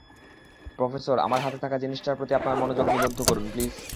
Professor, আমার হাতে থাকা জিনিসটার প্রতি আপনার মনোযোগ নিবদ্ধ করুন, প্লিজ।